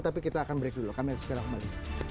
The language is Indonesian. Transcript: tapi kita akan break dulu kami akan segera kembali